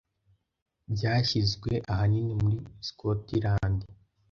byashyizwe ahanini muri Scotland